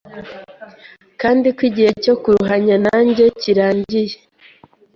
kandi ko igihe cyo kuruhanya nanjye kirangiye,